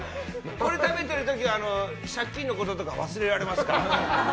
これ食べてる時は借金のこととか忘れられますから。